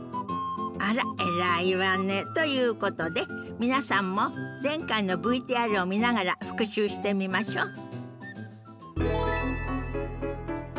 あら偉いわね。ということで皆さんも前回のＶＴＲを見ながら復習してみましょ。